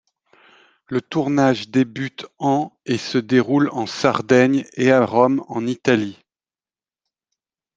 Le tournage débute en et se déroule en Sardaigne et à Rome en Italie.